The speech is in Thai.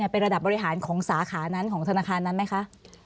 เป็นระดับบริหารของสาขานั้นของธนาคารนั้นไหมคะ